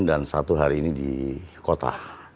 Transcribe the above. dan satu hari ini di kota